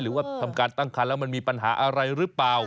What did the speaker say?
หรือว่าทำการตั้งคันแล้วมันมีปัญหาอะไรหรือเปล่า